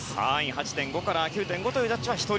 ８．５から９．５というジャッジは１人。